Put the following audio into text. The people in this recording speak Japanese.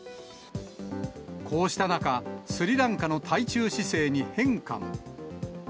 こうした中、スリランカの対中姿勢に変化も。